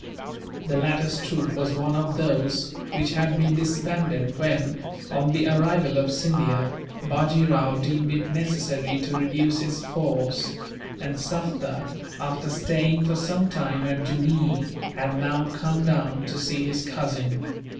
The latter's troop was one of those which had been disbanded when, on the arrival of Scindia, Bajee Rao deemed it necessary to reduce his force; and Sufder, after staying for some time at Jooneer, had now come down to see his cousin.